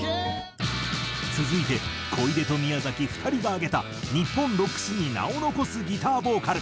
続いて小出と宮崎２人が挙げた日本ロック史に名を残すギターボーカル。